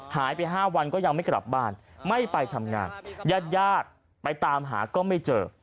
หายไป๕วันก็ยังไม่กลับบ้านไม่ไปทำงานญาติญาติไปตามหาก็ไม่เจอ